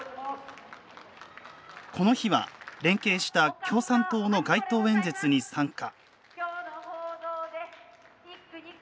この日は、連携した共産党の街頭演説に参加。